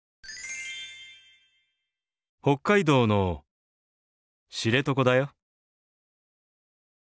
北海道の知床だよ。